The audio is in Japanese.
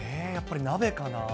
やっぱり鍋かな。